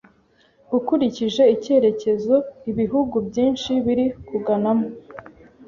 ukurikije icyerekezo ibihugu byinshi biri kuganamo